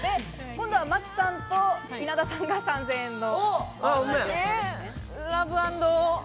今度は麻貴さんと稲田さんが３０００円の。